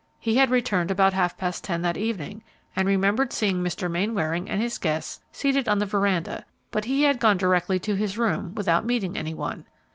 He had returned about half past ten that evening, and remembered seeing Mr. Mainwaring and his guests seated on the veranda, but he had gone directly to his room without meeting any one.